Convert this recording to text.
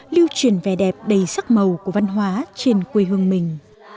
lưu truyền vẻ đẹp đầy sắc màu của văn hóa trên quê hương mình